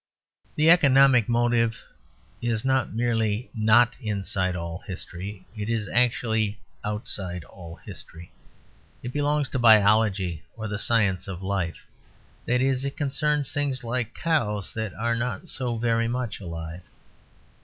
The economic motive is not merely not inside all history; it is actually outside all history. It belongs to Biology or the Science of Life; that is, it concerns things like cows, that are not so very much alive.